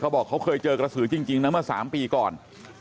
บอกเขาเคยเจอกระสือจริงนะเมื่อ๓ปีก่อน